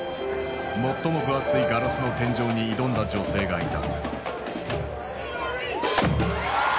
最も分厚いガラスの天井に挑んだ女性がいた。